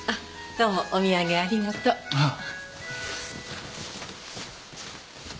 どうもお土産ありがとう。はあ。